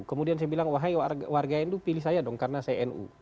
kemudian saya bilang wahai warga nu pilih saya dong karena saya nu